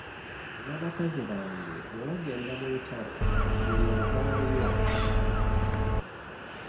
Nina bakazi bange bwe bagenda mu lutalo buli avaayo aba alina amaggwa.